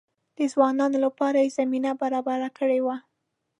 د ځوانانو لپاره یې زمینه برابره کړې وه.